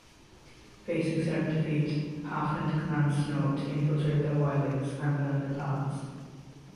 Facing certain defeat, Halfhand commands Snow to infiltrate the wildlings and learn their plans.